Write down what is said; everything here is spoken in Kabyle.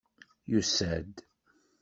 Yusa-d.